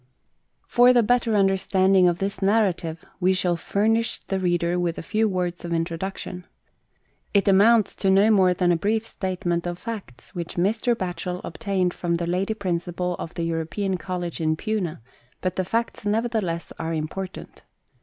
For the better understanding of this narrative we shall furnish the reader with a few words of introduction. It amounts to no more than a brief statement of facts which Mr. Batchel obtained from the Lady Principal of the European College in Puna, but the facts nevertheless are important.